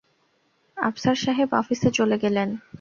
আফসার সাহেব অফিসে চলে গেলেন।